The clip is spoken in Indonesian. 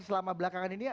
selama belakangan ini ya